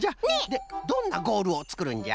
でどんなゴールをつくるんじゃ？